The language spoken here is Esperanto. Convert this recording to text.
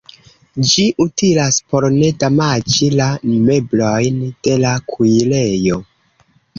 Ĝi utilas por ne damaĝi la meblojn de la kuirejo.